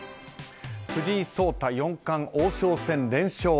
藤井聡太四冠、王将戦連勝。